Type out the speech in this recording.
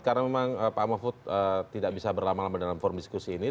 karena memang pak mahfud tidak bisa berlama lama dalam form diskusi ini